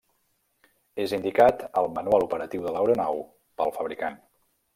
És indicat al manual operatiu de l'aeronau pel fabricant.